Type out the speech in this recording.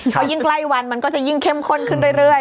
เพราะยิ่งใกล้วันมันก็จะยิ่งเข้มข้นขึ้นเรื่อย